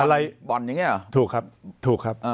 อะไรบ่อนอย่างนี้หรอถูกครับถูกครับ